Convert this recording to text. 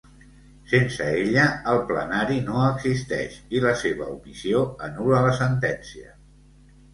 Sense ella, el plenari no existeix i la seva omissió anul·la la sentència.